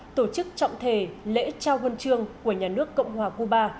tổ chức trọng thể lễ trao quân trương của nhà nước cộng hòa cuba